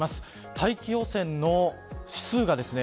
大気汚染の指数がですね